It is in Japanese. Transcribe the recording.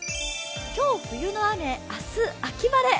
今日冬の雨、明日秋晴れ。